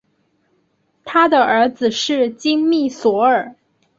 他的儿子是金密索尔。